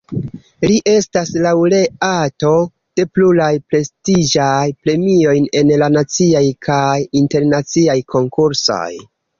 Li estas laŭreato de pluraj prestiĝaj premioj en la naciaj kaj internaciaj konkursoj.